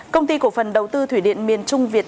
công ty cổ phần đầu tư thủy điện miền trung việt